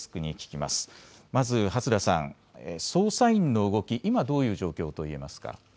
まず初田さん、捜査員の動き、今、どういう状況と言えますか。